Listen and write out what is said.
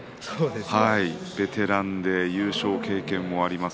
ベテランで優勝経験もあります